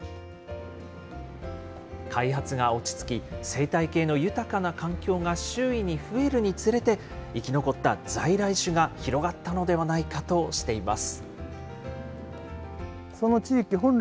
開発が落ち着き、生態系の豊かな環境が周囲に増えるにつれて、生き残った在来種が広がったのではないかとしています。